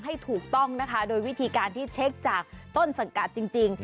ให้ถูกต้องนะคะโดยวิธีการที่เช็คจากต้นสังกัดจริง